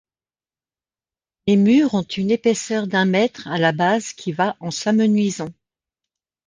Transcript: Les murs ont une épaisseur d'un mètre à la base qui va en s'amenuisant.